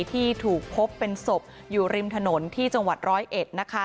ที่ถูกพบเป็นศพอยู่ริมถนนที่จังหวัดร้อยเอ็ดนะคะ